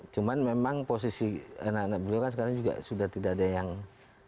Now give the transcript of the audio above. cuman memang posisi anak anak beliau kan sekarang juga sudah tidak ada yang